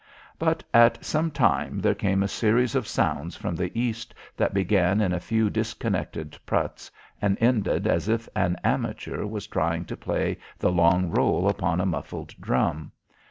But at some time there came a series of sounds from the east that began in a few disconnected pruts and ended as if an amateur was trying to play the long roll upon a muffled drum.